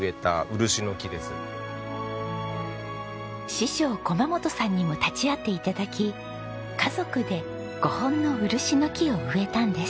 師匠駒本さんにも立ち会って頂き家族で５本の漆の木を植えたんです。